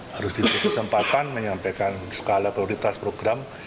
harus diberi kesempatan menyampaikan skala prioritas program